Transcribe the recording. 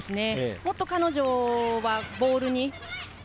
もっと彼女はボールに。